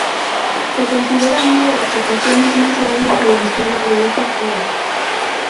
Se considera una de las ocasiones más grandes en la historia de esos días.